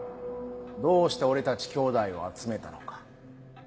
どうして俺たちきょうだいを集めたのか。